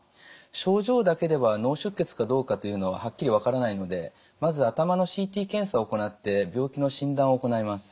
症状だけでは脳出血かどうかというのははっきり分からないのでまず頭のＣＴ検査を行って病気の診断を行います。